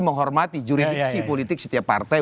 menghormati juridiksi politik setiap partai